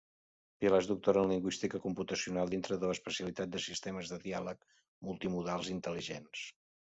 Pilar és doctora en Lingüística Computacional, dintre de l'especialitat de sistemes de diàleg multimodals Intel·ligents.